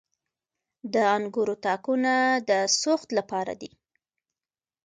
د انګورو تاکونه د سوخت لپاره دي.